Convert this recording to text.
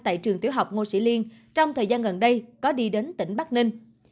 tại trường tiểu học ngô sĩ liên trong thời gian gần đây có đi đến tỉnh bắc ninh